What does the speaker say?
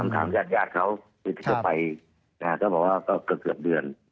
ถามญาติเขาที่จะไปก็บอกว่าเกือบเดือน